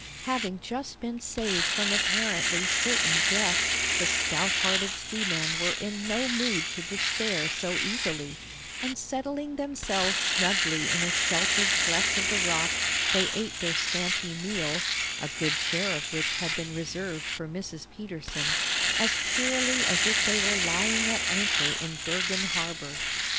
Having just been saved from apparently certain death, the stout hearted seamen were in no mood to despair so easily; and settling themselves snugly in a sheltered cleft of the rock, they ate their scanty meal (a good share of which had been reserved for Mrs. Petersen) as cheerily as if they were lying at anchor in Bergen Harbor.